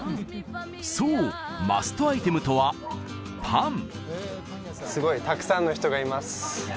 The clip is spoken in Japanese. そうマストアイテムとはパンすごいたくさんの人がいます